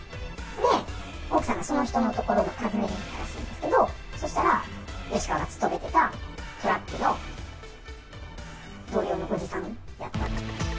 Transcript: で、奥さんがその人のところを訪ねていったらしいんですけど、そしたら、吉川が勤めてたトラックの同僚のおじさんだったと。